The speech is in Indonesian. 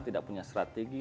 tidak punya strategi